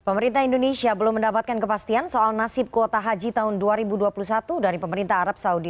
pemerintah indonesia belum mendapatkan kepastian soal nasib kuota haji tahun dua ribu dua puluh satu dari pemerintah arab saudi